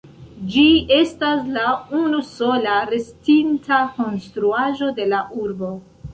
Ĝi estas la unusola restinta konstruaĵo de la urbo.